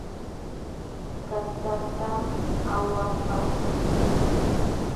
Katatam awapaakun .